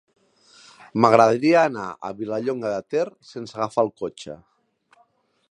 M'agradaria anar a Vilallonga de Ter sense agafar el cotxe.